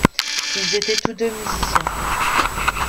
Ils étaient tous deux musiciens.